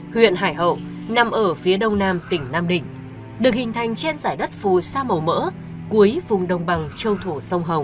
huyện hải hậu nằm ở phía đông nam tỉnh nam định được hình thành trên giải đất phù sa màu mỡ cuối vùng đồng bằng châu thổ sông hồng